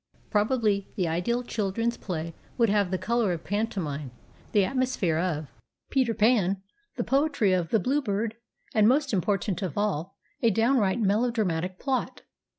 Probably the ideal children's play would have the colour of pantomime, the atmosphere of 217 218 THE DAY BEFORE YESTERDAY " Peter Pan/' the poetry of the " Blue Bird," and, most important of all, a downright melodramatic plot.